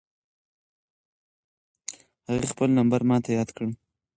هغې خپل نمبر ماته یاد کړ.